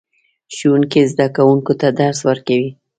ښوونکی زده کوونکو ته درس ورکوي